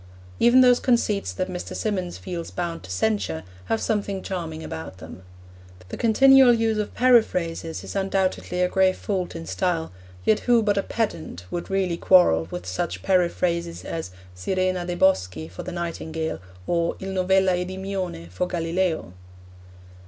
Even those conceits that Mr. Symonds feels bound to censure have something charming about them. The continual use of periphrases is undoubtedly a grave fault in style, yet who but a pedant would really quarrel with such periphrases as sirena de' boschi for the nightingale, or il novella Edimione for Galileo?